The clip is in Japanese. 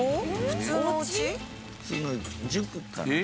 普通の塾かな？